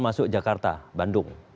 masuk jakarta bandung